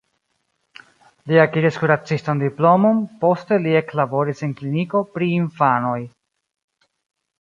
Li akiris kuracistan diplomon, poste li eklaboris en kliniko pri infanoj.